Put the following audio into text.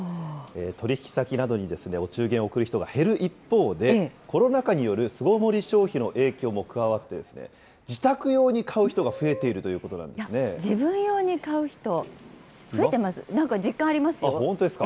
取り引き先などにお中元を贈る人が減る一方で、コロナ禍による巣ごもり消費の影響も加わって、自宅用に買う人が増えているという自分用に買う人、増えてます。